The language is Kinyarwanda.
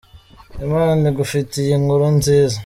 Imana igufitiye Inkuru nziza!